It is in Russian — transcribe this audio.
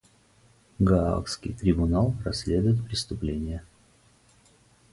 Гаагский трибунал расследует преступления.